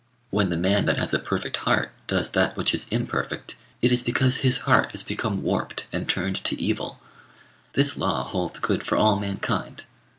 When the man that has a perfect heart does that which is imperfect, it is because his heart has become warped and turned to evil. This law holds good for all mankind.